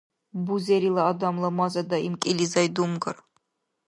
Бузерила адамла маза даим кӀилизай думгар.